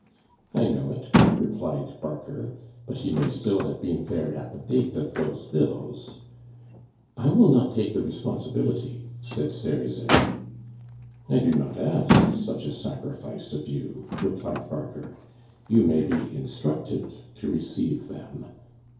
"I know it," replied Barker, "but he may still have been there at the date of those bills " "I will not take the responsibility," said Cerizet. "I do not ask such a sacrifice of you," replied Barker; "you may be instructed to receive them.